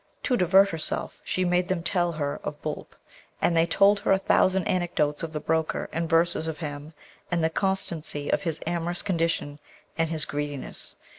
To divert herself she made them tell her of Boolp, and they told her a thousand anecdotes of the broker, and verses of him, and the constancy of his amorous condition, and his greediness.